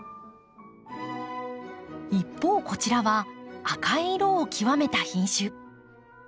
一方こちらは赤い色をきわめた品種。